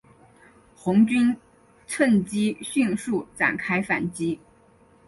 红军乘机迅速展开反攻。